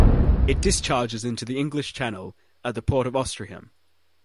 It discharges into the English Channel at the port of Ouistreham.